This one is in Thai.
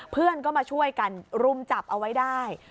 เพื่อนก็มาช่วยกันรุมจับเอาไว้ได้